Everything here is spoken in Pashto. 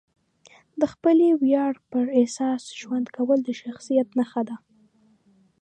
د خپلې ویاړ پر اساس ژوند کول د شخصیت نښه ده.